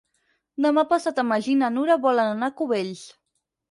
Demà passat en Magí i na Nura volen anar a Cubells.